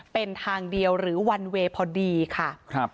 เป็นทางเดียวหรือวันเวย์พอดีค่ะ